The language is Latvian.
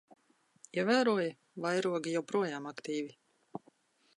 Ievēroji? Vairogi joprojām aktīvi.